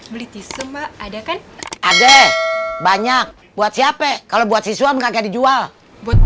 beli tisu mbak ada kan ada banyak buat siapa kalau buat siswa kakak dijual buat